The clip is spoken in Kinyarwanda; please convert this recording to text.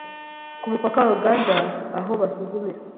Ku mupaka wa Uganda aho basuzumira